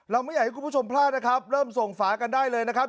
ไม่อยากให้คุณผู้ชมพลาดนะครับเริ่มส่งฝากันได้เลยนะครับ